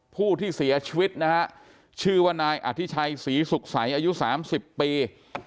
ผู้ที่เสียชีวิตนะฮะชื่อว่านายอธิชัยศรีสุขใสอายุ๓๐ปี